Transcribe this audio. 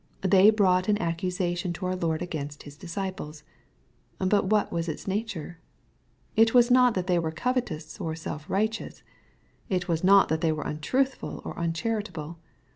They brought an accusation to our Lord against His disciples. Bat what was its nature ? It was not that they were covetous or self righteous. It was not that they were untruthful or uncharitable.